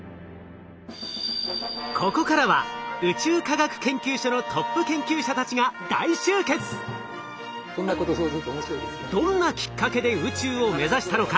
ここからは宇宙科学研究所のどんなきっかけで宇宙を目指したのか？